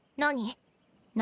何